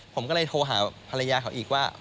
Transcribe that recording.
ผมก็เลยโทรหาว่าโหน่อยพรรยาเขาอีกว่า